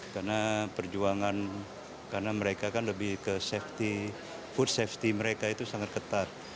karena perjuangan karena mereka kan lebih ke safety food safety mereka itu sangat ketat